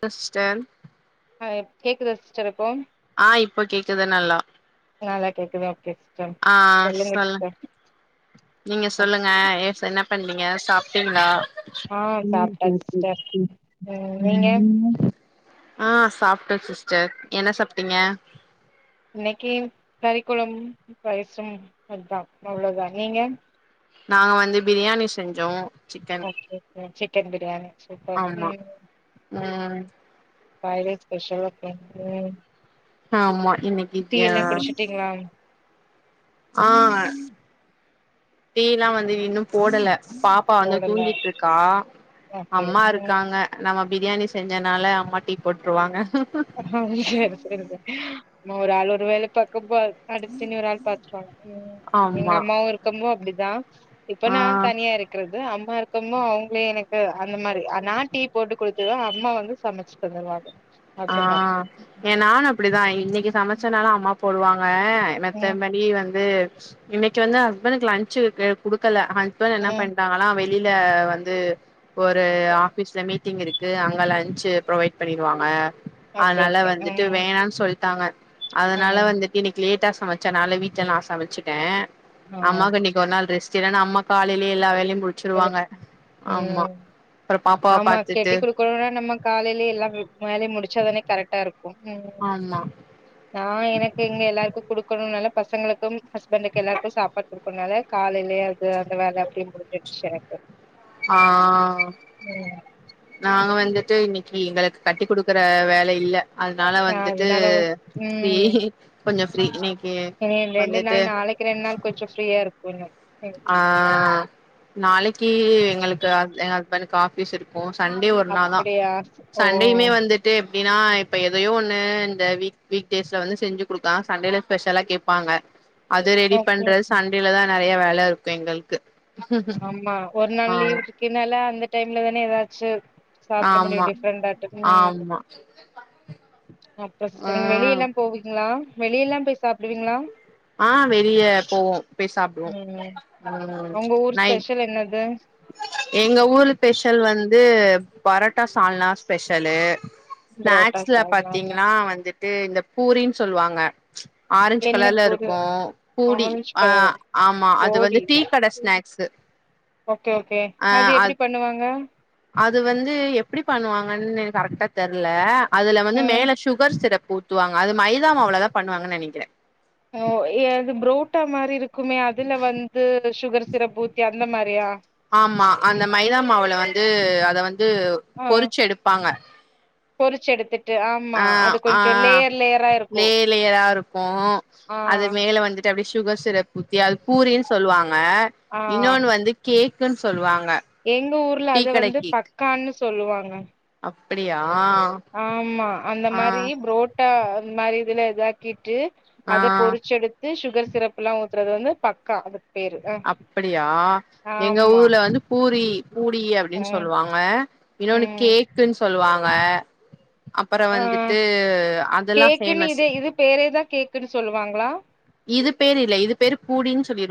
டஸ்டன் ஆ கேக்குதா சிஸ்டர் இப்போ ஆ இப்ப கேக்குது நல்லா நல்லா கேக்குது ஓகே சிஸ்டர் ஆ சொல்லுங்க சொல் சிஸ்டர் நீங்க சொல்லுங்க எஸ் பண்ணனிங்க சாப்பிட்டீங்களா ஆ சாப்ட்டே ம் ச சிஸ்டர் ம் நீங்க உம் ஆ சாப்புட்டோ சிஸ்டர் என்ன சாப்பிட்டீங்க இன்னிக்கு கறிக்குளம் பரிசம் அதா அவ்ளோதா நீங்க நாங்க வந்து பிரியாணி செஞ்சோ சிக்கன் ஓகே [unintelligible] கெண்டு [unintelligible] ஆமா ம் ம் காலியே ஸ்பெஷலா [unintelligible] ஆமா இனக்கி கியா ஆ டீல்லா வந்து இன்னும் போடல பாப்பா வந்து போடல தூங்கிட்டுருக்கா ஓகே அம்மா ம் இருக்காங்க நம்ம பிரியாணி செஞ்சனால அம்மா டீ போட்ருவாங்க அ சேரி சேரி சேரி நா ஒரு ஆளு ஒரு வேல பக்கம் பார் அடுத்து நீ ஒராள் பாத்துட்டு வாங்க ம் எங்க ஆமா அம்மாவு இருக்கும்போ அப்டி தா இப்ப நா ஆ தனியா இருக்குறது அம் அம்மா இருக்கமோ அவங்களே எனக்கு அந்த மாரி நா டீ போட்டு குடுத்துடுவ அம்மா வந்து சமச்சு தந்துருவாங்க ஆ அப்டி மாரி எ ம் நானு அப்புடிதா இன்னிக்கு சமச்சனாலு அம்மாவுக் போடுவாங் ப்பா ம் மத்தபடி வந்து இன்னிக்கு வந்து ஹஸ்பண்டுக்கு லன்ச்சுக்கு குடுக்கல ஹஸ்பண்ட் என்ன ம். பண்ட்டாங்கன்னா வெய் யில வந்து ஒரு ஆபிஸ்ல மீட்டிங் இருக் கு அங்க லன்ச்சு புரொவைட் பண்ணிருவாங்க ஓகே அதனால ஓகே வந்துட்டு ம் வேணான் சொல் டாங்க அதனால ம் வந்துட்டு இன்னிக்கு லேட்டா சமச்சனால வீட்ல நா சமச்சுட்ட ஆ அம்மாக்கு இன்னிக்கு ஒரு நாள் ரெஸ்ட் செய்ற நா அம்மா காலையிலயே எல்லா வேலையும் இல்ல. குளுச்சுருவாங்க ஆமா ம் [unintelligible] ஆமா கெட்டி பாத்துட்டு குடுக்கணுனா நம்ம காலைலயே எல்லா வேலையும் முடுச்சாதானே கரெக்டா இருக் கு ஆமா நா எனக்கிங்க எல்லாருக்கு குடுக்கணுங்குறனால பசங்களுக்கும் ஹஸ்பண்டுக்கு எல்லாருக்கு சாப்பாடு குடுக்கணுனால காலையிலயே அது அந்த வேல அப்டியே முடிஞ்சிடுச்சு எனக்கு ஆ [unintelligible] நாங்க வந்துட்டு இன்னிக்கு எங்களுக்கு கட்டி குடுக்குற வேலை இல்ல அதனால வந்துட்டு அதனால ஃப்ரீ ம் கொஞ்சோ ஃப்ரீ இன்னைக்கு ம் ரெண்டு வந்துட்டு நாள் நாளைக்கு ரெண் நாள் கொஞ்சோ ஃப்ரீயா இருப்பீங்க இன்னும் ஆஆ நாளைக்கு எங்களுக்கு ஏங் ஹஸ்பண்டக்கு ஆஃபிஸ் இருக்கும் சண்டே ஒரு நாளாதா அப்டியா ஓ சண்டேயுமே வந்துட்டு ப்படின்னா இப்ப எதயோ ஒன்னு இந்த வீக் வீக்டேஸ்ல வந்து செஞ்சு கொடுக்கா சண்டேல ஸ்பெஷலா கேப்பாங்க அத ரெடி ஓகே ஓகே. பண்றது சண்டேல தா நெறய வேல வேல இருக்கு எங்களுக்கு ஆமா ஒரு நாள் ஆ லீவ் விட்டு நல்ல அந்த டைம்ல தானே ஏதாச்சு சாப்பிட முடியு ஆமா டிஃரெண்ட் ம் ஆமா அப்ப நீ வெளிய ம் எல்லா போவீங்ளா வெளியெல்லா போய் சாப்டுவேங்ளா ஆ வெளிய போவோ போய் சாப்டுவோ உம் ம் உங்க ஊர் நைட் ஸ்பெஷல் என்னது எங்க ஊரு ஸ்பெஷல் வந்து பரோட்டா சால்னா ஸ்பெஷலு புரோட்டா ஸ்நாக்ஸ்ல சால்னா பாத்தீங்கன்னா வந்துட்டு இந்த பூரி சொல்வாங்க ஆரஞ்ச் என்ன கலர்ல பொரு இருக்கு பூடி ஆரஞ்ச் ஆ கலரு ஆமா அது போடி வந்து டீ கட ஸ்நாக்ஸ் ஓகே அது எப்டி பண்ணுவாங்க அ அது வந்து எப்டி பண்ணுவாங்கன்னு கரெக்டா தெர்ல அதுல வந்து ம் மேல சுகர் சிரப் ஊத்துவாங்க அது மைதா மாவுளதா பண்ணுவாங்கு நெனக்குறே ஓ எது ப்ரோ முட்ட மாரி இரு க்குமே அதுல வந்து சுகர் சிரப் ஊத்தி அந்த மாதிரியா ஆமா அந்த மைதா மாவுல வந்து அத வந்து வந்து பொறிச்சு எடுப்பாங்க பொறிச்செடுத்துட்டு ஆ ஆ இருக்கு லேயர் லேயராா இருக்கு ஆ அது மேல வந்துட்டு அப்டி சுகர் சிரப் தியா அது பூரின் சொல்லுவாங்க ஆ இன்னொன்னு வந்து கேக்குன் சொல்லுவாங்க எங்க டீ கடை கேக் என்ன அப்டியா ஆமா அந்த ஆ மாரி புரோட் டா அந்த மாரி இதுல இதாக்கிட்டு ஆ அத பொறிச்செடுத்து சுகர் சிரப்லா ஊ த்தறது வந்து பக்கா அது அப்டியா எங்க ஆமா ஊர்ல வந்து பூரி பூடி அப்டின் ம் சொல்லுவாங்க இன்னொன்னு ம் கேக்குன் சொல்லுவாங்க அப்பறம் ஆ வந்துட்டு அதெல்லாம் ஃபேமஸ் குன் சொல்லுவாங்களா இது பேரு இல்ல இது பேரு பூடின் சொல்லிரு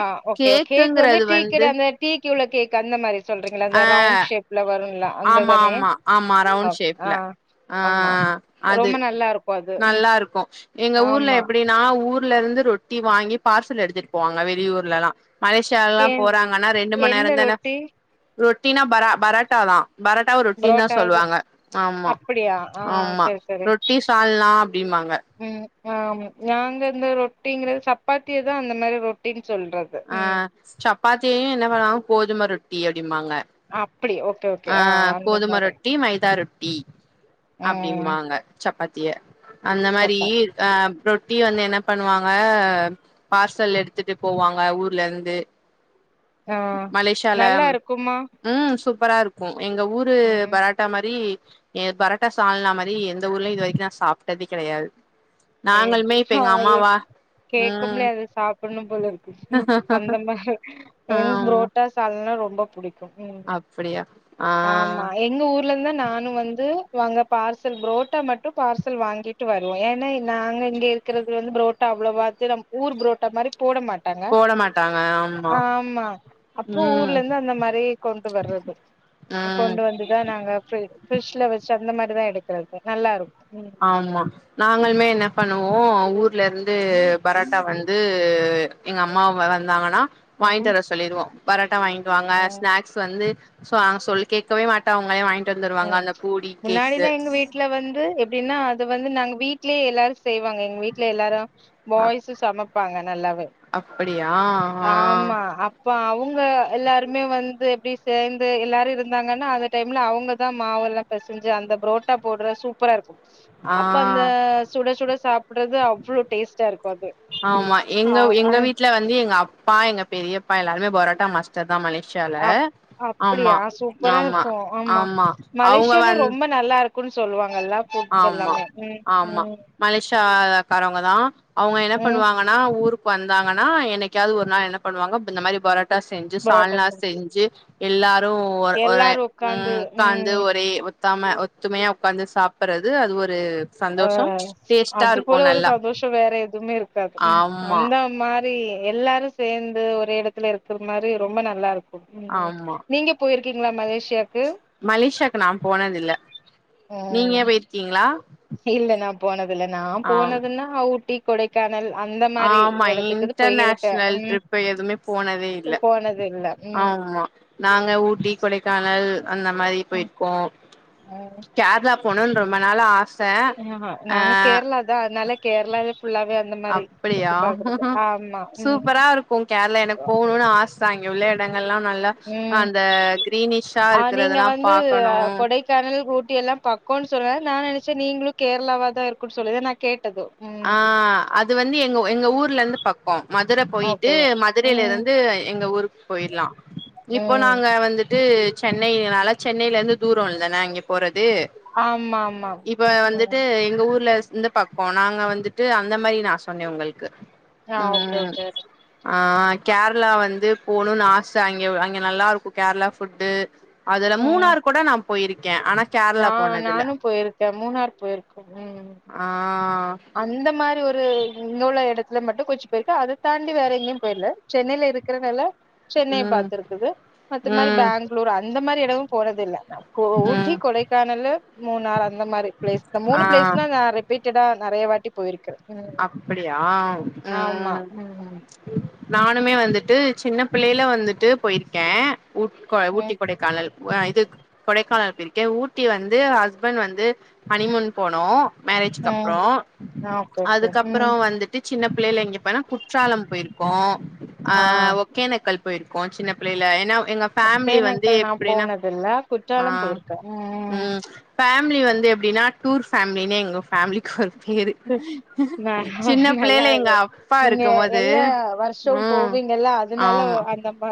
ஆ ஓகே கேக்கு வந்து டீ கட அந்த டீக்கு உள்ள கேக் அந்த மாரி சொல்றீங்களா அந்த ஆ ரவுண்ட் ஷேப்ல வரும்லா ஆமா ஆமா ஆமா ரவுண்ட் ஷேப்ல ஆ ஆமா அது ரொம்ப நல்லா இருக்கு அது ம் நல்லா இருக்கும் எங்க ஊர்ல ஆமா எப்டின்னா ஊ ஊர்ல இருந்து ரொட்டி வாங்கி பார்சல் எடுத்துட்டு போவாங்க வெளியூர்லலாம் ஏ மலேசியாலாம் போறாங்கனா ரெண்டு மணி என்ன நேரம் தான ரொட்டி ரொட் டினா பரா பரோட்டாதான் பரோட்டாவா ரொட்டி ன் தா புரோட்டாவது சொல்லுவாங்க ஆமா அப்படியா ஆ ஆமா சரி சரி ரொட்டி சாள்னா அப்டிம்பாங்க ஆமா நாங்க இந்த ரொட்டிங்கிறது சப்பாத்தியதான் அந்த மாரி ரொட்டி ஆ சப்பாத்தியையும் இந்த பக்கலா கோதும ரொட் டி அப்டிம்பாக அப்படி ஓ ஆ கோதும ரொட்டி மைதா ரொட் ம் ம் அப்டிமாங்க சப்பாத் திய அந்த மாரி சப்பாத்தி ஆ ரொ ட்டிய வந்து என்ன பண்ணுவாங்க பார்சல் எடுத்துட்டு போவாங்க ஊர்ல இருந்து ஆ மலேசியால நல்லா இருக்குமா ம் சூப் பரா இருக்கும் எங்க ஊரு ம் பராட்டா மாரி எங்க பரட்டா சால்னா மாரி எந்த ஊர்ல இது வரைக்கு நா சாப்டதே கெடையாது அ நாங்களுமே இப்ப ஹா எங்க அது அம்மாவா ம் கேக்கமுலே அது சாப் புன்னும் போலரு க்கு அந்த மாரி அ ப்ரோட்டா சால்னா ரொ ம்ப புடி அப்புடியா ஆமா எங்க ஊர்லந்து நானு வந்து வாங்க பார்சல் புரோட்டா மட்டு பார்சல் வாங்கிட்டு வருவோ ஏனா நாங்க இங்க இருக்குறது வந்து பரோட்டா அவ்ளவாத்து நம் ஊர் புரோட்டா மாரி போட மாட்டாங்க போட மாட்டாங்க ஆமா ஆமா அப்ப ம் ஊர்லந்து அந்த மாரி கொண்டு வர்றது ம் கொண்டு வந்துதா நாங்க அப்றே ஃபிஷ்ல வச்சு அந்த மாரிதா எடுக்கிறதுக்கு நல்லாருக்கு ஆமா நாங்களுமே என்ன பண்ணுவோ ஊர்லருந்து பரோட்டா வந்து எங்க அம்மா வ வந்தாங்கனா வாங்கிட்டு ம் வர சொல்லிருவோ பராட் டா வாங்கிட்டுவாங்க ஆ ஸ்நாக்ஸ் வந்து சோ நாங்க சொல்லி கேக்கவே மாட்டா அவுங்களே வாங்கி ம் முன்னாடிலா எங்க வீட்ல வந்து எப் டின்னா அது வந்து நாங்க வீட்லயே எல்லாரு செய்வாங்க எங்க வீட்ல எல்லாரு பாய்ஸு சமப் பாங்க நல்லாவே பிடியா ஆ ப அவுங்க எல்லாருமே வந்து எப்டி சேந்து எல்லாரு இருந்தாங்கன்னா அந்த டைம்ல அவுங்கதா மாவெல்லா பெசஞ்சு அந்த புரோட்டா போட்ற சூப்பராருக்கு ஆ அப்ப அந்த சுட சுட சாப்புட்றது அவ்ளொ டேஸ்டா இருக்கு அது ஆ அ பா எங்க பெரியப்பா எல்லாருமே பரோட்டா மாஸ்டர் தா மலேசியால அப் ஆமா அப்புடியா சூப்பரா ஆமா இருக்கு ஆமா அவங்க மலேஷியாலே வந் ரொம்ப நல்லாருக் குன் சொல்லுவா ஆமா ஆமா மலேசியாக்காரவங்க தான் அவுங்க என்ன ம் பண்ணுவாங்கன்னா ஊருக் வந்தாங்கன்னா என்னைக்காவது ஒரு நாள் என்ன பண்ணுவாங்க இந்த மாரி பரோட் டா செஞ்சு புரோட்டா சால்னா சாஸ் செஞ்சு எல்லா ரும் ஒரே எல்லாரு உக்காந்து ம் உட்கார்ந்து ம் ஒரே த்தாம ஒத்துமையா உக்காந்து சாப் ப்பறது அது ஒரு அ சந்தோஷோ டேஸ்ட்டா அது இருக்கு போல ஒரு நல்லா சந்தோஷம் வேற எதுவுமே இருக்காது ஆமா அந்த மா ரி எல்லாரும் சேர்ந்து ஒரே இடத்துல இருக்கிற மாரி ரொம்ப நல்லா இருக் கூம் ஆமா நீங்க போயிருக் கிங்ளா மலேசியாக் மலேசியாக்கு நான் போனதில்ல நீங்க ம் போயிருக்கீங்களா இல்ல நான் போனதில்ல நான் ஆ போனதுன்னா ஊட்டி கொடைக்கானல் அந்த மாரி ஆமா எடத்துக்கு போயிருக்கே இன்டர்நேஷ்னல் ம் ட்ரிப் எதுவுமே போனதே இல்ல போனது இல்ல ம் ஆமா நாங்க ஊட்டி கொடைக்கானல் அந்த மாதிரி ம் போயிருக்கோம் கேரளா போணும்னு ரொம்ப நாள் ஆ ஆ நாங்க கேரள தான் அதனால கேரளாவே ஃபுல்லாவே அந்த மாரி சுத்தி அப்படியா பாக்குறது ஆமா ம் ச அங்க உள்ள இடங்கள் எல்லாம் நல்லா ம் அந்த கிரீனிஷா ஆ நீங்க இருக்கறதெல்லாம் வந்து அ பாக்கணும் கொடைக்கானல், சேன் நீங்களும் கேரளாவா தான் இருக்குன்னு சொல்லுது நான் கேட் ஆ அது வந்து எங்க எங்க ஊர்ல இருந்து பக்கோம் மதுரை போயிட்டு ஓகே மதுரையில ம் இருந்து எங்க ஊருக்கு போயிடலாம் இப்போ ம் நாங்க வந்துட் து சென்னைனால சென்னை இருந்து தூரம்ல நான் இங்கே போற து ஆமா ஆமா இப்ப ம் வந்துட்டு எங்க ஊர்ல இந்த பக்கம் நாங் க வந்துட்டு அந்த மாரி நான் சொன்னேன் உங்களுக் கு ஆ ஓகே ம் ஓகே ஆ கேரளா வந்து போணுன்னு ஆச அங்க அங்க நல்லா இருக்கு கேரளா ஃபுட்டு அதுல ம் மூணார் கூட நா போயிருக்கே ஆனா நா கேரளா போனதில்ல நானு போயிருக்கே மூணார் போயிருக்கே ம் ஆ அந்த மாரி ஒரு இங்க உள்ள எடத்துல மட்டும் கொஞ்ச போயிருக்க அத தாண்டி வேற எங்கயு போயிரல சென்னைல இருக்கறனால சென்னை ம் பாத்துருக்குது மத்த மாரி ம் பேங்களூர் அந்த மாரி எ துவு போறதில்ல நா கொ ஊட்டி ம் கொடைக்கானலு மூணாறு அந்த மாரி பிளேஸ்தா மூணு ஆ பிளேஸ்தா நா ரிப்பீட் டடா நெறைய வாட்டி போயிரு அப்பிடியா ஆமா ம் ம் ம் நானுமே வந்துட்டு சின்னப் பிள்ளைைல வந்துட்டு போயிருக்கே ஊட் கொ ஊட்டி ம் கொடைக்கானல் ஆ இது க் கொடைக்கானல் போயிருக்கேன் ஊட்டி வந்து ஹஸ்பண்ட் வந்து ஹனிமூன் போனோ ம் மேரேஜ்கப்றோ ஓகே ஓகே அதுக்கப்புறோ ம் வந்துட்டு சின்னப்பிள்ளைல இங்க அப்பறோ குற்றாலம் போயிருக்கோ ஆ ஒக்கேனக்கல் போயிரு க்கோ சின்ன பிள்ளைல ஏன்னா எங்க ஃபேமிலி வந்து ஒகேனக்கல் நா எப்பிடின்னா போனதில்ல ஆ குற்றாலம் போயிருக்கே ம் ஃபே ஃபேமிலி வந்து எப்டினா டூர் ஃபேமிலினே எங்க ஃபேமிலிக்கு ஒரு பேரு ந சின்ன நல்லா பிள்ளைல எங்க இது அப்பா நீங்க இருக்கும் போது எல்லா வருஷமு ம் போவீங்கல்ல அதனால ஆமா அந்த மா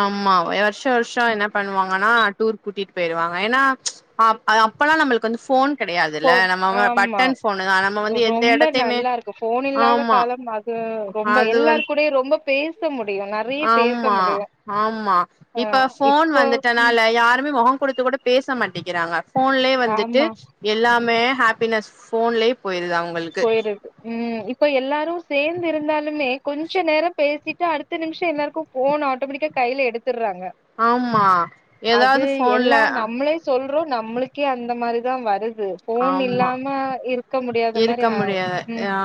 ஆமா எ வர்ஷோ வர்ஷோ என்ன பண்ணுவாங் ஆனா டூர் கூட்டிட்டு போயிருவாங்க. ஏன்னா அப் அது அப்பெல்லா நம்மளுக்கு வந்து ஃபோன் கெடையாதுல்ல போன் நம்ம அ ஆமா பட்டன் ஃபோனுதா நம்ம வந்து எந்த ரொம்ப எடத்தையுமே ஆமா ம் ரொம்ப அது வந்து எல்லாரு கூடயு ரொம்ப பேச மு ஆமா ஆமா ஆ இப்ப ஃபோன் இப்போ ம் வந்துட்டனால யாருமே மொக குடுத்து கூட பேச மாட்டிக்கிறாங்க ஃபோன்லயே வந்துட்டு ஆமா எல்லாமே ஹாப்பினஸ் ஃபோன்லேயே போயிருது அவு போயிருது ம் இ ப்ப எல்லாரு சேந்து இருந்தாலுமே கொஞ்ச நேர பேசிட்டு அடுத்த நிமிஷொ எல்லாருக்கு ஃபோன் ஆட்டோமெட்டிக்கா கைல எடு ஆமா எதாவ்து ஃபோன்ல றோ நம்மளுக்கே அந்த மாரிதா வரு து ஃபோன் ஆமா இல்லாம இருக்க முடியா இருக்க முடியாது ஆ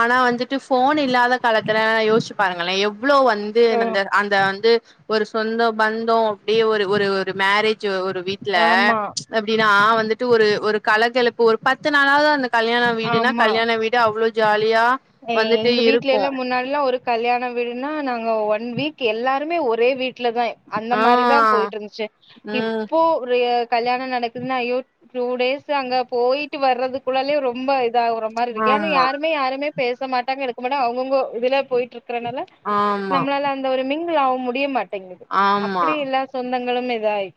ஆனா வந்துட்டு ஃபோன் இல்லாத காலத்துல யோசுச்சு பாருங்களே எவ் ளோ வந்து ஓ நந்த அந்த வந்து ஒரு சொந்தொ பந்தொ அப்டியே ஒரு ஒரு ஒரு மேரே ஜு ஒரு வீட்ல ஆமா எப்டினா வந்து ட்டு ஒரு ஒரு கலகலப்பு ஒரு பத்து நாளாவ்து அந்த கல்யாண வீடுனா கல்யாண வீடு அவ்ளோ ஜாலியா ஏ வந்துட்டு எங்க இருக்கு வீட்லெல்லா முன்னால்லா ஒரு கல் யாண வீடுனா நாங்க ஒன் வீக் எல்லாருமே ஒரே வீ ட்ல தா அந்த ஆ மாரிதா போயிட்ருந்துச்சு ம் இப்போ ஒரு கல்யாண நடக்குதுனா ஐயோ டூ டேஸ் அங்க போயிட்டு வர்றதுக்குள்ளாலியு ரொம்ப இ தாவுற மாரி இருக்கு ஏனா ஆமா யாருமே யாரைமே பேச மாட்டாங்க இருக்க மாட்டாங்க அவுங்கவுங்கொ இதுல போயிட்ரு க்குறனால ஆமா நம்ளால அந்த ஒரு மிங் கிள் ஆவ் முடிய மாட் டெங்கிது ஆமா அப்பிடி இல்ல சொந்தங் களும் இதாயி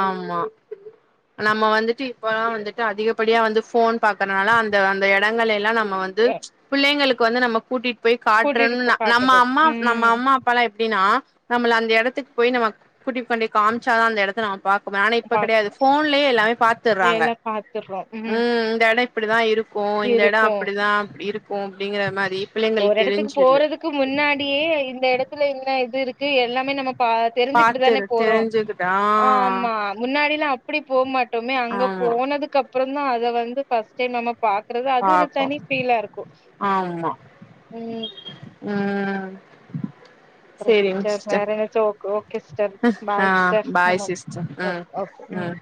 ஆமா நம்ம வந்துட்டு இப்பல்லா வந்துட்டு அதிகப்படியா வந்து ஃபோன் பாக்கறனால அந்த அந்த எ எடங்கள் எல்லா நம்ம ம்ம வந்து எ- பிள்ளைங்களுக்கு கு வந்து நம்ம கூட்டிட்டு போய் கூட்டிட்டு போ காட்டுறும்னு நம்ம காட்டுறது அம்மா நம்ம ம் அம்மா அப்பாலா எப்டின்னா நம்மள அந்த எடத்துக்கு போய் நம்ம கூட்டி கொன்டேய் காமிச்சாதா அந்த எடத் த்த நம்ம பா ஆனா இப்ப கடையாது பாத்து ஃபோன்லயே எல்லாமே பாத்துடுறாங்க எல்லா பாத்துடுறோம் உ ம் இந்த எட அப்டி தா இருக்கு இருக்கு இந்த எடோ இருக்கும் அப்டிதா இருக் போ அப்டிங்கிற மாதிரி ஒரு எடத்துக்கு போறதுக்கு முன்னாடியே இந்த எடத்துல என்ன இது இருக் கு எல்லாமே நம்ம பா தெரிஞ்சுக்கிட்டு தானே பாத்துரு போறோ தெரிஞ்சுக்கிட்ட ஆமா முன்னாடிலா அப் அப்டி போமாட் டோமே ஆ அங்க ஆமா போனதுக்குப்புறோ [unintelligible] அத வந்து ஃபர்ஸ்ட் டைம் நம்ம பா க்றது அது ஒரு பாப்போ தனி ஃபீலா இருக்கு உ உ [inaudible] வேற என்னச்ச ஓகே சிஸ்டர் ஆ பாய் சிஸ்டர் பாய் சிஸ்டர் [unintelligible] ம் ஓகே பாய் ம்